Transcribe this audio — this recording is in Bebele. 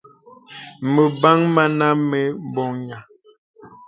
Məbɔŋ mənə mə bɔghaŋ.